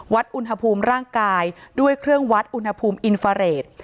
อุณหภูมิร่างกายด้วยเครื่องวัดอุณหภูมิอินฟาเรท